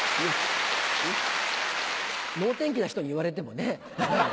能天気な人に言われてもね。